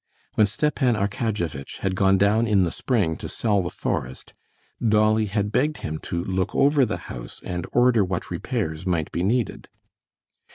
When Stepan Arkadyevitch had gone down in the spring to sell the forest, Dolly had begged him to look over the house and order what repairs might be needed.